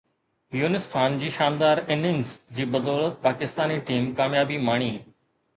يونس خان جي شاندار اننگز جي بدولت پاڪستاني ٽيم ڪاميابي ماڻي